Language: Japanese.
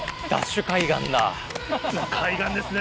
海岸ですね。